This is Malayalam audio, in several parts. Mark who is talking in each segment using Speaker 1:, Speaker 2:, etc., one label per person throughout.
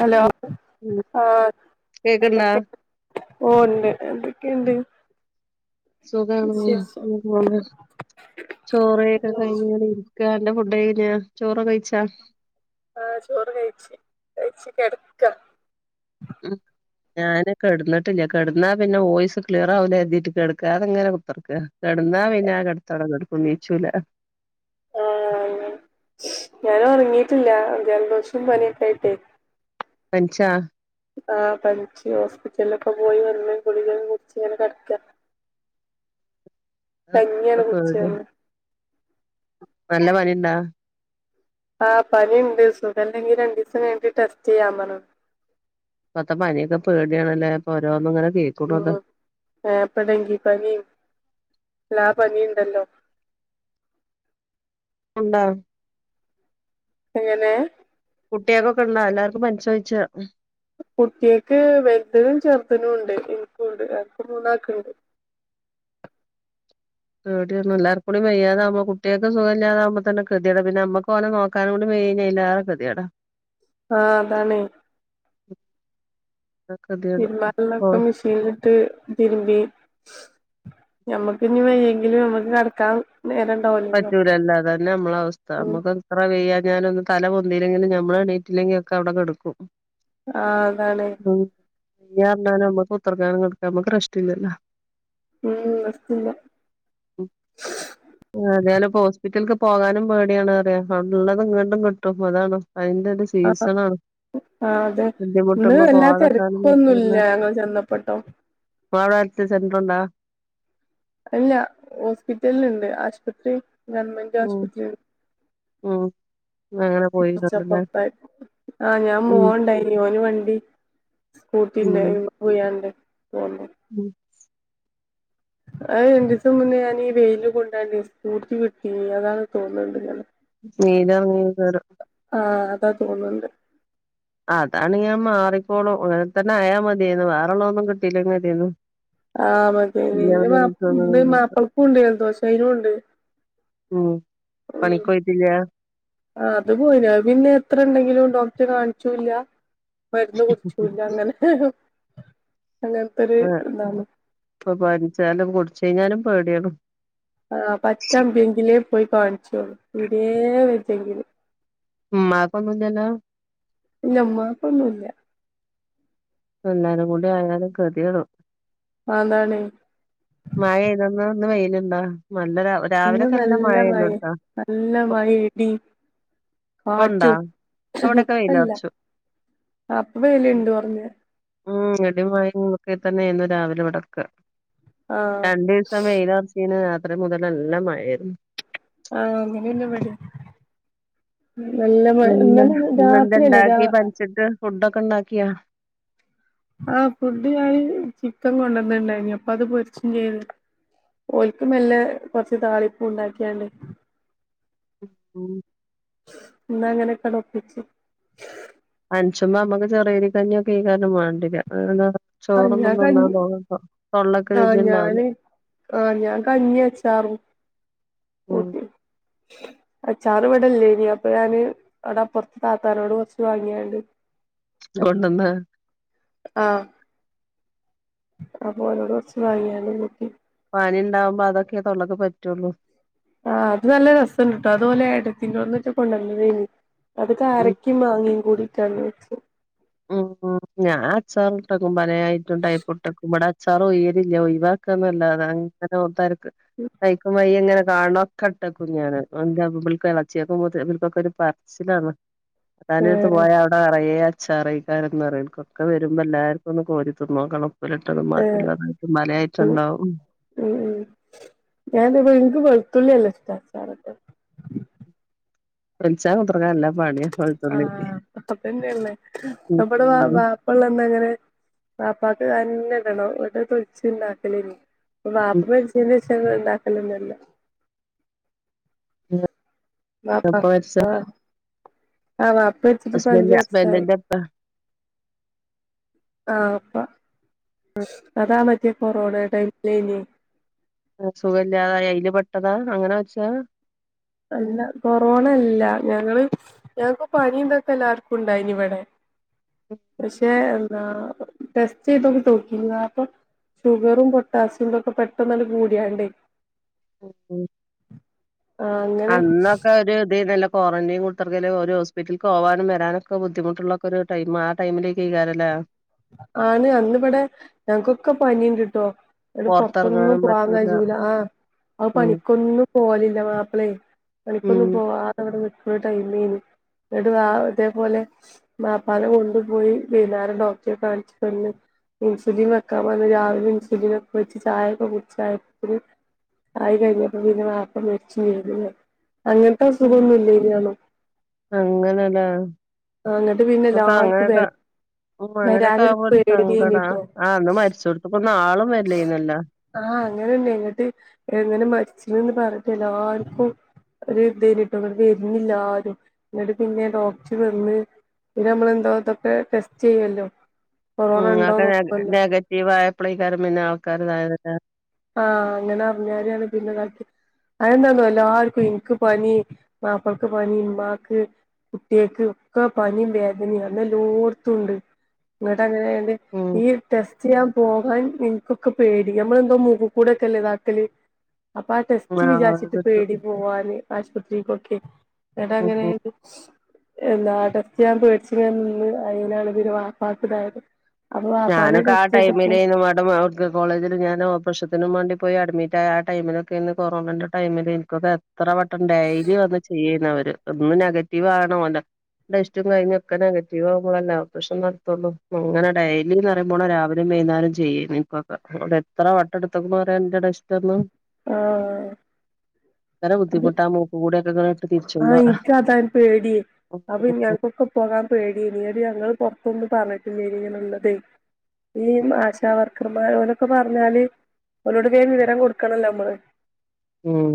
Speaker 1: ഹലോ
Speaker 2: ഉം
Speaker 1: ആഹ്
Speaker 2: കേക്ക്ണ്ടാ
Speaker 1: എന്തെക്കെ? ഓ ഇണ്ട് എന്തൊക്കെണ്ട്?
Speaker 2: സുഖാണ് അങ്ങനെപോണ് ചോറെയ്ക്കെ കഴ്‌ഞ്ഞിങ്ങനെ ഇര് ക്കാ അന്റെ ഫുഡൊക്കെ കഴ്‌ഞ്ഞ ചോറ് കഴിച്ചാ?
Speaker 1: ആഹ് ചോറ് കഴിച്ച് കഴിച്ച് കെടക്ക.
Speaker 2: ഉം ഞാൻ കെട്ന്നിട്ടില്ല കെട്ന്നാ പിന്നെ വോയിസ് ക്ലിയറാവൂല കെര്തി കെട്ക്കാതിങ്ങനെ കുത്തർക്ക. കെട്ന്നാ പിന്നെ ആ കെട്ത്തം ഔടെ കെട്ക്കും ന്നീച്ചൂല.
Speaker 1: ആഹ് ഞാന് ഒർങ്ങിട്ടില്ല ജെൽദോഷോം പനിയൊക്കൊയിട്ടേ.
Speaker 2: പൻച്ചാ
Speaker 1: ആഹ് പൻച്ച് ഹോസ്പിറ്റലിലൊക്കെ പോയി വന്ന് ഗുളികൊക്കെ കുടിച്ച് ഇങ്ങനെ കട്ക്ക.
Speaker 2: ആഹ് ഇപ്പൊ
Speaker 1: കഞ്ഞിയാണ് കുടിച്ചത്
Speaker 2: പേടിയാ
Speaker 1: ഇന്ന്
Speaker 2: ന്നല്ലെ പനിണ്ടാ?
Speaker 1: ആഹ് പനിണ്ട് സുഖല്ലെങ്കിരണ്ടിസം കഴ്‌ഞ്ഞിട്ട് ടെസ്റ്റെയ്യാൻ പർന്ണ്.
Speaker 2: ഇപ്പത്തെ പനിയൊക്കെ പേടിയണലെ ഇപ്പൊ ഓരോന്നുംങ്ങനെ കേക്കുണുഅതാ.
Speaker 1: ഏഹ്പ്പ ടെങ്കിപനിം എല്ലാ പനിഇണ്ടല്ലോ?
Speaker 2: ഉണ്ടാ
Speaker 1: എങ്ങെനെ?
Speaker 2: കുട്ടിയാക്കൊക്കെ ഇണ്ടോ എല്ലാർക്കും പനിചോയ്ച്ച?
Speaker 1: കുട്ടിയാക്ക് വെൽതിനും ചെർതിനുംണ്ട് ഇൻക്കുണ്ട് ഞങ്ങക്ക് മൂന്നാക്കുണ്ട്.
Speaker 2: പേടിയാണ് എല്ലാർക്കൂടി വയ്യാതാവുമ്പോ കുട്ടിയാക്കു സുഖല്ലാതാവുമ്പോ തെന്നെ കെദിയെട പിന്നെ അമ്മക്ക് ഓലെ നോ ക്കാനുംകൂടെ വെയ്യെങ്കി അയ്ലാറ കെദിയേട.
Speaker 1: ആഹ് അതാണ്
Speaker 2: [inaudible] ഓ
Speaker 1: തിര്മ്പാല്ലത്തൊക്കെ മിശി ലിട്ട് തിരുമ്പി ഞമ്മക്ക് ഇനി വയ്യെങ്കിലും ഞമ്മക്ക് കട്ക്കാ ന്നേരണ്ടാവുല
Speaker 2: കജ്ജൂലല്ലോ അതന്നെ ഞമ്മളെ അവസ്ഥ അമ്മക്ക് എത്ര വെയ്യാഞ്ഞാലും ഒന്ന് തല പൊന്തീലെങ്കിലും ന്നമ്മള് എണീറ്റില്ലെങ്കി ഒക്കെ അവിടെ കെട്ക്കും
Speaker 1: ആഹ് അതാണ്
Speaker 2: ഉം പിന്നെയർ ഞാ ഞമ്മക്ക് കുത്തർക്കാനും കട്ക്കാനും ഞമ്മക്ക് റസ്റ്റ്ല്ലല്ലോ
Speaker 1: ഉം റസ്റ്റ് ല്ല
Speaker 2: ഏതാലും ഇപ്പൊ ഹോസ്പിറ്റല്ക്ക് പോകാനും പേടിയാണ് അറിയ ഔട്ന്ന്ള്ളത് ഇങ്ങട്ടുംകിട്ടും അതാണ് അയിന്റെ ര് സീസണാണ്
Speaker 1: ആഹ് അതെ ഇന്ന്
Speaker 2: ബുദ്ധിമുട്ടുമ്പോ
Speaker 1: വല്ലാതെ
Speaker 2: പോവാതെക്കാനും പറ്റൂല്ല
Speaker 1: തെരക്കൊന്നുല്ല ഞങ്ങൾ ചെന്നപ്പം ട്ടോ
Speaker 2: ഇങ്ങളെ അവിടെ ഹെൽത്ത് സെന്റർ ണ്ടോ
Speaker 1: ഇല്ല ഹോസ്പിറ്റല് ഇണ്ട് ആശുപത്രി ഗവൺമെന്റ്
Speaker 2: ഹു
Speaker 1: ആശുപത്രി
Speaker 2: ഉം അങ്ങനെ
Speaker 1: [unintelligible]
Speaker 2: പോയി കണ്ടല്ലേ
Speaker 1: ആഹ് ഞാൻ
Speaker 2: ഉം
Speaker 1: മോൻ ണ്ടായിനി ഓന് വണ്ടി സ്കൂട്ടി ണ്ട് അയ്മ പോയാണ്ട് പൊന്നതാ
Speaker 2: ഉം
Speaker 1: അഹ് രണ്ടീസം മുന്നേ ഞാനീ വെയില് കൊണ്ടാണ്ട് സ്കൂട്ടി വിട്ടീനി അതാണ് തോന്ന്ണ്ട് ഞാന്
Speaker 2: നീരർങ്ങീക്കാരം
Speaker 1: ആഹ് അതാ തോന്ന്ണ്ട്.
Speaker 2: അതാണേ അഹ് മാറിക്കോളും അങ്ങനെ തന്നെ അയാ മതീന്നു വേറെള്ളഒന്നും കിട്ടിലെങ്കി മതിയേന്നു.
Speaker 1: ആഹ് മതീന്നു
Speaker 2: പിന്നെ
Speaker 1: ഇന്റെ മാ ഇട്ട് മാപ്പൾക്കും ഇണ്ട് ജലദോഷം അയ്നുണ്ട്
Speaker 2: ഉം പണിക്കൊയ്ട്ടില്ല
Speaker 1: ആ അത് പോയിണ് അത് പിന്നെ എത്ര ഉണ്ടെങ്കിലും ഡോക്ടറേ കാണിച്ചൂല്ല മരുന്ന് കുടിചൂല്ല അങ്ങനെ അങ്ങൻ ത്തെ ഒര്
Speaker 2: ആഹ് ഇപ്പൊ
Speaker 1: ഇതാണ്
Speaker 2: ഇപ്പൊ പനിച്ചാലും കുടിച്ച് കഴിഞ്ഞാലും പേടിയാണ്
Speaker 1: ആഹ് പറ്റ അമ്പിയെങ്കിലേ പോയി കാണിച്ച് ഒള്ളൂ തീരെ വെജ്ജെങ്കില്
Speaker 2: ഉമ്മാക്ക് ഒന്നുല്ലല്ലോ
Speaker 1: ഇല്ല ഉമ്മാക്ക് ഒന്നൂല്ല
Speaker 2: എല്ലാരും കൂടി ആയാലും കെതിയടും
Speaker 1: അതാണെ
Speaker 2: മഴ പെയ്തോ ഇന്ന് ഇന്ന് വെയില്ണ്ടോ നല്ലൊരു അവ
Speaker 1: ഇന്ന് നല്ല മഴെ നല്ല മഴ ഇടി
Speaker 2: ഇപ്പൊണ്ടാ
Speaker 1: കാറ്റും
Speaker 2: ഇപ്പവിടൊക്കെ
Speaker 1: ഇപ്പല്ല
Speaker 2: വെയിലറച്ചു
Speaker 1: ആ ഇപ്പ വെയില്ണ്ട് കുറഞ്ഞെ
Speaker 2: ഉം ഇടിമഴ ഒക്കെ തന്നെ ഇന്ന്‌ രാവിലെ ഇവിടെക്കെ
Speaker 1: ആഹ്
Speaker 2: രണ്ടീസം വെയിലർച്ചേന് രാത്രി മുതല് നല്ല മഴേ ര്ന്നു
Speaker 1: ആഹ് അങ്ങനെ ന്നെ ഇവടിം നല്ല മയ ഇന്നലെ രാത്രിയല്ലേ രാ
Speaker 2: ഉച്ചക്ക് ഫുഡോക്കെ ഉണ്ടാക്കിയോ
Speaker 1: ആഹ് ഫുഡ് ഞാന് ചിക്കൻ കൊണ്ടന്ന ണ്ടായിനി അപ്പൊ അത് പൊരിച്ചും ചെയ്ത് ഓല്ക്ക് മെല്ലേ കൊറച്ച് താളിപ്പ് ഉണ്ടാക്കിയാണ്ട്
Speaker 2: ഉം
Speaker 1: ഇന്ന് അങ്ങനെക്കെ ണ്ട് ഒപ്പിച്ച്
Speaker 2: പൻച്ചുബം നമ്മക്ക് ചെറിയ അരികഞ്ഞിയൊക്കെക്കാരം മാണ്ടിയ രാ [unintelligible]
Speaker 1: ആഹ്
Speaker 2: ചോറൊന്നും
Speaker 1: ഞാൻ
Speaker 2: തിന്നാ
Speaker 1: കഞ്ഞി
Speaker 2: തോന്ന്പ്പം തൊള്ളക്ക്‌ രുചി
Speaker 1: ആഹ്
Speaker 2: ഉണ്ടാവില്ല
Speaker 1: ഞാന് ആഹ് ഞാൻ കഞ്ഞി അച്ചാറും
Speaker 2: ഉം
Speaker 1: കൂട്ടി അച്ചാറ് ഇവിടെ ല്ലേനി അപ്പൊ ഞാന് അവിടെ അപ്പുറത്ത് താത്താനോട് കുറച്ച് വാങ്ങിയാണ്ട് [unintelligible]
Speaker 2: കൊണ്ടന്ന്
Speaker 1: ആഹ് അപ്പൊ ഓലോട് കുറച്ചു വാങ്ങിക്കാണ്ട് നോക്കി
Speaker 2: പനി ഉണ്ടാവുമ്പോ അതൊക്കെ തൊള്ളക്ക്‌ പറ്റുള്ളൂ
Speaker 1: ആഹ് അത് നല്ല രസണ്ട് ട്ടോ അത് ഓല് ഏടത്തിന്റെ ഓട്ന്ന് കൊറച്ച്കൊണ്ടുവന്നേ തേയ്നി അത്
Speaker 2: ഉം
Speaker 1: കാരക്ക മാങ്ങയും കൂടിട്ടാണ് വെച്ചത്
Speaker 2: ഉം ഞാൻ അച്ചാറ്ട്ടക്കും പലേ ഐറ്റം [unintelligible] ഫുഡ് ഒക്കെ ബാടെ അച്ചാർ ഒഴിയലില്ല ഒഴിവാക്കാന്നല്ലാതെ അങ്ങനെ കൈക്കും വൈ ഇങ്ങനെ കാണ ഒക്കെ ഇട്ടക്കും ഞാൻ എളേച്ചിആൾക്കും മൂത്തച്ചി ഇബല് കൊക്കെ ഒരു പറച്ചിലാണ് ഇത്താന്റെഅടുത്ത്
Speaker 1: ഏഹ്
Speaker 2: പോയാ അവിടെ നിറയെ അ അച്ചാറേക്കാരന്ന് ഓല് ക്കൊക്കെ വരുമ്പോ എല്ലാവർക്കൊന്ന് കോരി തിന്നോക്കണം ഉപ്പിലിട്ടത്
Speaker 1: ഏഹ്
Speaker 2: മധുരള്ളത് പലേ ഐറ്റം
Speaker 1: ഉം
Speaker 2: ഉണ്ടാകും
Speaker 1: ഉം ഉം ഞാൻ ഇതേപോലെ ന്ക്ക് വെളുത്തുള്ളില്ലാം ഇഷ്ട അച്ചാർ
Speaker 2: ഫ്രിച്ചാ കുതുറങ്ങാനല്ല [unintelligible]
Speaker 1: ആഹ് അതൊക്കെതന്നെയല്ലേ നമ്മടെ വാ
Speaker 2: ഉം
Speaker 1: വാപ്പള്ളന്നങ്ങനെ വാപ്പാക്ക് അതന്നെ ഇടണം ന്നിട്ട് അത് തൊലിച്ചുണ്ടാക്കലേന് പ്പ ബാപ്പ
Speaker 2: ഉം
Speaker 1: മരിച്ചീന്റെ ശേഷം ഞങ്ങള് ഉണ്ടാക്കലെന്നല്ല വാപ്പ
Speaker 2: എപ്പ വലിച്ചാ
Speaker 1: ആഹ് ആഹ വാപ്പ മരിച്ചിട്ട് ഇപ്പ അഞ്ച്
Speaker 2: ഹസ്ബൻഡ് ഹസ്ബൻഡ്
Speaker 1: വർഷായി
Speaker 2: ന്റെ ഇപ്പ
Speaker 1: ആഹ് പ്പ അതാ മറ്റേ കൊറോണ ടൈമിലെന്
Speaker 2: സുഖല്ലാതായി അയില് പെട്ടതാ അങ്ങനെ മരിച്ചതാ
Speaker 1: അല്ല കൊറോണ അല്ല ഞങ്ങള് ഞങ്ങക്ക് പണി തൊക്കെ എല്ലാർക്കും ഉണ്ടായിനി ഇവിടെ
Speaker 2: [unintelligible]
Speaker 1: പക്ഷെ എന്താ ടെസ്റ്റ് ചെയ്തോക്കിന് വാപ്പ ഷുഗറും പൊട്ടാസിയും ഇതൊക്കെ പെട്ടന് കൂടിയാണ്ടേ
Speaker 2: ഉം
Speaker 1: ആ അങ്ങനെ
Speaker 2: അന്നൊക്കെ ഒരു ഇതേ യുന്നല്ലാ ക്വാറന്റൈൻ കൊടുത്തിറക്കങ്കല് ഒരു ഹോസ്പിറ്റലിൽ പോകാനും വരാനൊക്കെ ബുദ്ധിമുട്ടുള്ളൊ ഒരു ടൈ ആടമിലേക്ക്കാരംല്ലേ.
Speaker 1: ആണ് അന്ന് ഇവിടെ ഞങ്ങക്കൊക്കെ പനിണ്ടിട്ടോ. എടെ പുറത്തൊന്നും
Speaker 2: പൊറത്തെറങ്ങാനും
Speaker 1: പോവാന്ന്
Speaker 2: പറ്റൂല
Speaker 1: കഴ്ചൂല ആ അവ
Speaker 2: ഉം
Speaker 1: പണിക്കൊന്നും. പോലില്ല മാപ്പിളെ പണിക്കൊന്നും
Speaker 2: ഉം
Speaker 1: പോകതൊ വിടെ ആ ടെയ് മേനി ന്നിട്ട് ഇതേപോലെ വാപ്പാനെ കൊണ്ടുപോയി വൈനാരം ഡോക്ടറെ കാണിച്ച് കൊടുന്. ഇൻസുലിൻ വക്കാൻ പറഞ്ഞു രവിലൊ ഇൻസുലിൻ വച്ച്. ചായക്ക കുടിച് ആയപോതിന്. ആയി കഴിഞ്ഞപ്പോ പിന്നെ വപ്പ മരിച്ചു ചൊയ്ത്. അങ്ങന ഇ അ സുഖന്നുംമ ഇല്ല ഇല്ലയോ
Speaker 2: അങ്ങനെല്ലേ
Speaker 1: അങ്ങിട്ട് പിന്നെ ആർക്കും വേ
Speaker 2: ഉ അങ്ങനെയൊക്കെ ആ്പോ ഒരു സങ്കട ആ അന്ന് മരിച്ചോട് ക്കെന്നും ആളും വരില്ലായിരുന്നല്ലോ.
Speaker 1: ആഹ അങ്ങനെണ്ട് എങ്ങിട്ട് എങ്ങനെ മരിച്ചന്ന് പറഞ്ഞിട്ട് എല്ലാർക്കും. ഒരു ഇത് ആയിരുന്നുട്ടോ ഇവിടെക്ക് വരണില്ല ആരും എന്നിട്ട് പിന്നെ ഡോക്ടർ വന്ന്. ഇന്ന നമ്മൾ എന്താ ഇതൊക്കെ ടെസ്റ്റ് ചെയ്യല്ലോ കൊറോണ ഉണ്ടോന് നോക്കല്ലോ.
Speaker 2: നഗററിവ് വായപ്ളക്കാരും പിന്നെ ആൾക്കാർതായതല്ലോ
Speaker 1: ആഹ അങ്ങനെ അറിഞ്ഞരയാണ് പിന്നെ ക അതന്താന്നോ എല്ലാർക്കും ഇനിക്ക് പനി മാപ്പൾക്ക് പനി ഉമാക്ക്. കുട്ടികക്ക് ഒക്കെ പനിയും വേദന അന്ന് എല്ലോടുത്തുണ്ട്. എന്നോട്ട് അങ്ങനെണ്ട്
Speaker 2: ഉം
Speaker 1: ഈ ടെസ്റ്റ് ചെയ്യാൻ പോകാൻ നിങ്ങക്കൊക്കെ പേടി നമ്മളെന്തോ മൂക്കിക്കുടൊക്കെ അല്ലേ ഇതാക്കല് അപ്പൊ ആ ടെസ്റ്റ്
Speaker 2: ആഹ് അത്
Speaker 1: വിചാരിച്ചിട്ട്
Speaker 2: കിട്ടും
Speaker 1: പേടി പോവാന് ആശുപത്രിക്കൊക്കെ. ടാ
Speaker 2: ഉം
Speaker 1: അങ്ങനേരിക്കും എന്താ ടെസ്റ്റ് ഞാൻ പേടിച്ച്യാ നിന്ന് അയ്ലാണ് വാപ്പാക്ക് ഇതായത് അപ്പൊ വാപ്പാനെ
Speaker 2: ഞാനൊക്കെ ആ
Speaker 1: ടെസ്റ്റ് ചെയ്തപ്പോ
Speaker 2: ടൈമിലന്ന് മ [unintelligible] കോളേജിൽ ഞാൻ ഓപ്പറേഷത്തിനും വേണ്ടി പോയി അഡ്മിറ്റായ ആ ടൈമിലൊക്കെ ഇന്ന് കൊറോണേന്റെ ടൈമിൽ എനിക്കൊക്കെ എത്ര വട്ടം ഡെയിലി വന്ന് ചെയ്യുന്നവര് ഒന്ന് നെഗറ്റീവ് ആണ് പോലെ ടെസ്റ്റും കഴിഞ്ഞുംക്കെ നെഗറ്റീവ് ആവുമ്പോഴല്ലേ ഓപ്പറേഷൻ നടത്തുള്ളു അങ്ങനെ ഡയ ഇല്ലന്ന് പറയുമ്പോള രാവിലേം വൈന്നേരം ചെയ്യേന് എനിക്കൊക്കെ അവിടെ എത്ര വട്ട എടുത്തക്കന്ന് പറയാൻ ഇന്റ ടെസ്റ്റ് അന്ന്
Speaker 1: ആഹ്
Speaker 2: ഭയങ്കര ബുദ്ധിമുട്ടാണ് മുക്കിക്കൂടികെ അങ്ങനെ
Speaker 1: ആഹ് ഇൻക് അതാൻ പേടി അപ്പ എനക്കൊക്ക പോകാൻ പേടിയാണ് ഈടെ ഞങ്ങള് പുറത്തൊന്ന് പറഞ്ഞിട്ടില്ല ഇങ്ങനുള്ളതെ. ഈ ആശാവർക്കർമാർ ഓലോടൊക്കെ പറഞ്ഞാല് അവരോട് വിവരം കൊടുക്കണല്ലോ നമ്മള്.
Speaker 2: ഉം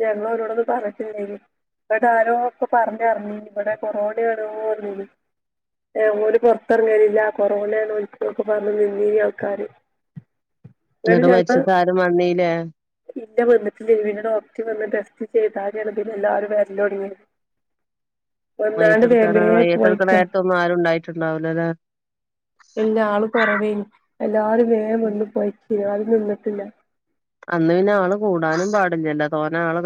Speaker 1: ഞങ്ങള് അവരോട്ന്നും പറഞ്ഞിട്ടില്ലായിരുന്നു. ഇവിടെ ആരോ ഒക്കെ പറഞ്ഞ് അറിഞ്ഞി ഇവിടെ കൊറോണ ഓല് പുറത്തിറങ്ങാനില്ല കൊറോണാന്ന് ഓൽക്ക് പറഞ്ഞു നിന്നീന് ആൾക്കാര്. ഇന്നട്ട്
Speaker 2: എന്നിട്ട്
Speaker 1: ഞങ്ങള്
Speaker 2: മരിച്ചിട്ട് ആരും വന്നീലേ
Speaker 1: ഇല്ല വിന്നീട്ടില്ല പിന്നെ ഡോക്ടറ് വന്ന് ടെസ്റ്റ് ചെയ്തരെ എല്ലാരും വ ല്ലൊടങ്ങിയത്
Speaker 2: മയ്യത്തെ എടുക്കാന
Speaker 1: വേം
Speaker 2: മയ്യത്തെ എടുക്കണ
Speaker 1: പോയിക്ക
Speaker 2: നേരത്തൊന്നും ആരുണ്ടായിട്ടുണ്ടാവില്ലോ അല്ലെ
Speaker 1: ഇല്ലാ ആള് കൊറവേനു എല്ലാരും വേഗം വന്നും പോയ്ക്ക ആരും നിന്നിട്ടില്ല.
Speaker 2: അന്ന് പിന്നെ ആള് കൂടാനും പാടില്ലല്ല തോനെ ആള്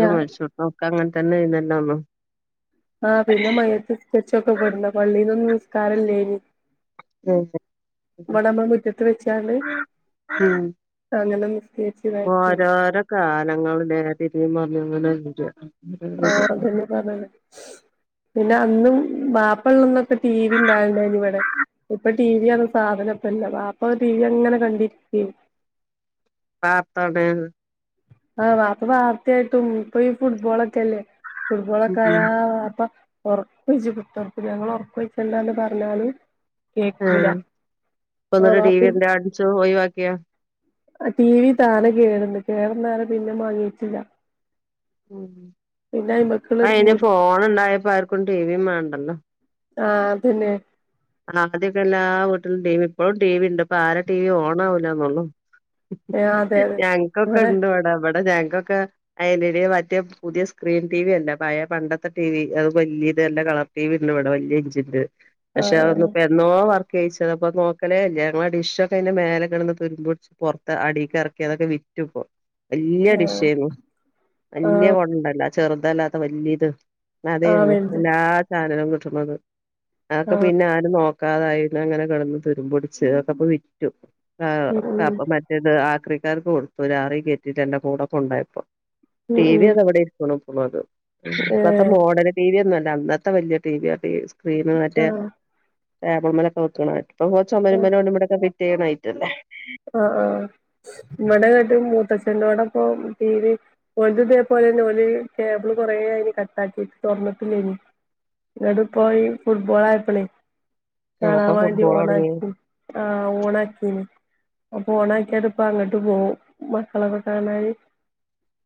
Speaker 1: ഞാ
Speaker 2: വിളിച്ച് നക്ക് അങ്ങനെ തന്നെ ഇരുന്നല്ലോന്ന്
Speaker 1: ആഹ് പിന്നെ മയ്യത്ത് നിസ്കരിച്ചതൊക്കെ ഇവടുന്ന പള്ളിന്നൊന്നും നിസ്കാരല്ലേന്. ഇവടെ നമളെ മുറ്റത്ത് വെച്ചാണ്
Speaker 2: ഉം
Speaker 1: അങ്ങനെ നിസ്കരിച്ച് ഇതാക്കിയേനി
Speaker 2: ഓരോരോ കാലങ്ങള് തിരിഞ്ഞും മറിഞ്ഞും ഇഞ്ഞങ്ങനെ
Speaker 1: ആഹ് അതന്നെ പറഞ്ഞെത് പിന്നെ അന്നും മാപ്പള്ളന്നൊക്കെ ടി വി ഇണ്ടായിനി ഇവിടെ ഇപ്പൊ ടി വിയാണ് സാധനം ഇപ്പ ഇല്ല അപ്പൊ ടി വി അങ്ങനെ കണ്ടിരിക്കും
Speaker 2: [unintelligible]
Speaker 1: ആഹ് വാപ്പ വാർത്തിയായിട്ടും ഇപ്പൊ ഫുട്ബോളൊക്കെല്ലേ ഫുട്ബോളൊക്കെ ആയാ അപ്പം ഒറക്കെ വച്ച് [unintelligible] ഞങ്ങൾ ഒറെക്കെ വെക്കണ്ടന്ന് പറഞ്ഞാല്
Speaker 2: ആഹ് ഇപ്പോ
Speaker 1: ആഹ്
Speaker 2: ഒന്നുടെ ടി വി
Speaker 1: വാപ്പി
Speaker 2: എല്ലാം അടിച്ചോ ഒയ്വാക്കിയോ
Speaker 1: ടി വി താനെ കേടുണ്ട് കേടുണ്ടെയെ പിന്നെ മാങ്ങിയിട്ടില്ല
Speaker 2: ഉം ഇപ്പ
Speaker 1: അയ്മക്കുള്ളൊരു
Speaker 2: അയിന്
Speaker 1: പൂതി
Speaker 2: ഫോൺ ഇണ്ടായപ്പോ ആർക്കും ടിവിം വേണ്ടല്ലോ
Speaker 1: ആഹ് അതന്നെ
Speaker 2: ആദ്യൊക്കെ എല്ലാ വീട്ടിലും ടി വി ഇപ്പോഴും ടി വി ഇണ്ട് ഇപ്പൊ ആർടേം ടി വി ഓൺ ആവില്ലന്നുള്ളു
Speaker 1: ഏഹ് അതെ അതെ
Speaker 2: ഞങ്ങക്കൊക്കെ
Speaker 1: ഇവിടെ
Speaker 2: ഇണ്ട് അവിടെ അവിടെ ഞങ്ങക്കൊക്കെ എൽ ഇഡി മാറ്റേ പുതിയ സ്ക്രീൻ ടി വി അല്ലേ പഴയ പണ്ടത്തെ ടി വി അത് വലിയ ഇതെല്ലാം കളർ ടി വിണ്ട് ഇവിടെ വല്ല്യ ഇഞ്ചിന്റെ പക്ഷെ
Speaker 1: ആഹ്
Speaker 2: അതൊന്നുപ്പാ എ എന്നോ വർക്ക് ചെയ്യിച്ചതാ അപ്പോ നോക്കലേല്ല ഞങ്ങടെ ഡിഷ് ഒക്കെ അയിന്റെ മേലെകിടന്ന് തുരുമ്പ് പിടിച്ച് പുറത്ത് അടികെറക്കി അതൊക്കെ വിറ്റു ഇപ്പോ വല്യ ഡിഷ്
Speaker 1: ആഹ്
Speaker 2: ആയിനു വല്യ
Speaker 1: ആഹ്
Speaker 2: കൊണ്ട്ണ്ടാല്ലോ ചെറുതല്ലാതെ വല്യത്
Speaker 1: ആഹ്
Speaker 2: അതെരുന്നു
Speaker 1: വലുത്
Speaker 2: എല്ലാ ചാനലും കിട്ടുന്നത് അതോക്കെ
Speaker 1: ആഹ്
Speaker 2: പിന്നെ ആരും നോക്കാതായിന്ന് അങ്ങനെ കിടന്ന് തുരുമ്പുടിച്ച് അതൊക്കെപോ വിറ്റു ആഹ്
Speaker 1: ഉം ഉം
Speaker 2: അപ്പ മറ്റേത് ആക്രിക്കാർക്ക് കൊടുത്തു ലാറി കയറ്റിട്ട് എല്ല കൂടോക്കെ കൊണ്ടോയിപ്പോ
Speaker 1: ഉം
Speaker 2: ടി വി
Speaker 1: ഉം
Speaker 2: അതെ ഇവിടെ ഇരികുണു മിപ്പോ അത് ഇപ്പത്തെ
Speaker 1: ഏഹ്
Speaker 2: മോഡല് ടി വി ഒന്നും അല്ല അന്നത്തെ വലിയ ടി വിയ സ്ക്രീന് മറ്റേ
Speaker 1: ആഹ്
Speaker 2: ടേബിൾ മേലൊക്കെ വെക്കണേ ഇപ്പൊ ചുമരുമേൽ അവിടെ ഇവിടെ ഒക്കെ ഫിറ്റ് ചെയണ ഐറ്റം അല്ലേ
Speaker 1: ആഹ് ആഹ് ഇവിടെ ഒരു മൂത്താച്ഛന്റെയുടെ ഇപ്പോ ടി വി ഓന് ഇതേ പോലെന്നെ ഓന് കേബിള് കുറെ അയിന് കട്ടാക്കിട്ട് ഓണക്കിട്ടില്ലേന് ഇവുടിപ്പോ ഫുട്ബോൾ ആയപ്ലെ
Speaker 2: ആ അപ്പൊ
Speaker 1: കാണാന് വേണ്ടി
Speaker 2: ഫുട്ബോൾ തുടങ്ങി
Speaker 1: ഓണാക്കി ആഹ് ഓണാക്കീനി അപ്പോ ഓണക്കിത് ഇപ്പ അങ്ങോട്ട് പോവും മക്കളൊക്കെ കാണാല്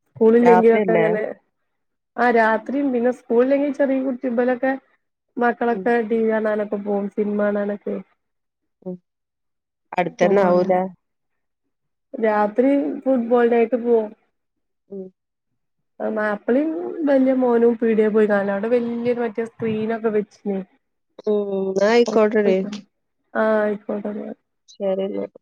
Speaker 1: സ്കൂളില്ലെങ്കിയൊക്കെ
Speaker 2: രാത്രിയല്ലേ
Speaker 1: അങ്ങനെ ആഹ് രാത്രിയും പിന്നെ സ്കൂളിലെങ്കിൽ ചെറിയ കുട്ടികളൊക്കെ
Speaker 2: ഉം
Speaker 1: മക്കളൊക്കെ ടി വി കാണാനൊക്കെ പോകും സിനിമ കാണാനൊക്കെ
Speaker 2: ഉമ് അടുത്തന്നെ
Speaker 1: പോവും
Speaker 2: ആവൂലെ
Speaker 1: അങ്ങനെ രാത്രി ഫുട്ബോളിന്റെ ആയിട്ട് പോവുമ്
Speaker 2: മ്
Speaker 1: [unintelligible] മാപ്പിളേം വലിയ മോനും പീടിയ പോയി കാണല അവിടെ വല്യ മറ്റേ സ്ക്രീനൊക്കെ വെച്ചിന്
Speaker 2: ഉം എന്നാ ആയിക്കോട്ടെടി
Speaker 1: [inaudible] ആഹ് ആയിക്കോട്ടെ എന്നാ
Speaker 2: ശെരിയന്നാല്